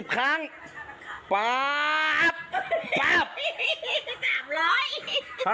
ครั้งที่สอง